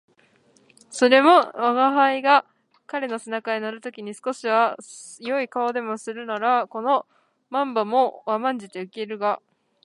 それも平生吾輩が彼の背中へ乗る時に少しは好い顔でもするならこの漫罵も甘んじて受けるが、